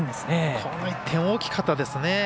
この１点大きかったですね。